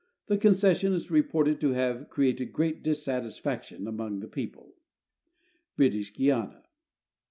The concession is reported to have created great dissatisfac tion among the people. British Guiana.